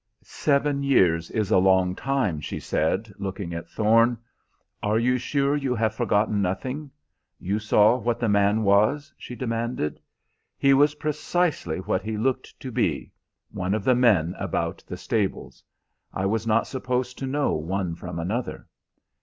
"Seven years is a long time," she said, looking at Thorne. "Are you sure you have forgotten nothing? You saw what the man was?" she demanded. "He was precisely what he looked to be one of the men about the stables. I was not supposed to know one from another.